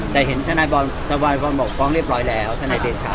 แต่เห็นทนายบอลบอกฟ้องเรียบร้อยแล้วทนายเดชา